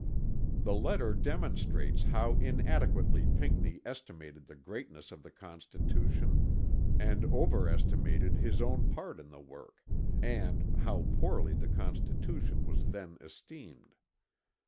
The letter demonstrates how inadequately Pinckney estimated the greatness of the Constitution and overestimated his own part in the work, and how poorly the Constitution was then esteemed.